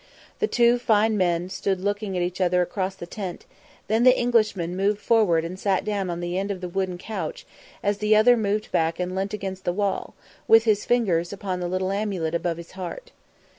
The two fine men stood looking at each other across the tent; then the Englishman moved forward and sat down on the end of the wooden couch as the other moved back and leant against the wall, with his fingers upon the little amulet above his heart.